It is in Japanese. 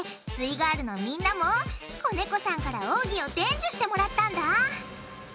イガールのみんなも小猫さんから奥義を伝授してもらったんだ。